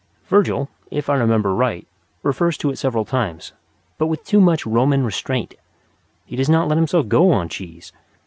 Virgil, if I remember right, refers to it several times, but with too much Roman restraint. He does not let himself go on cheese.